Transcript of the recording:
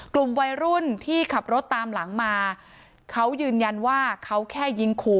กลุ่มวัยรุ่นที่ขับรถตามหลังมาเขายืนยันว่าเขาแค่ยิงขู่